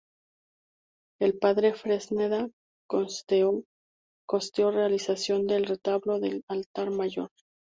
El Padre Fresneda costeó la realización del retablo del altar mayor.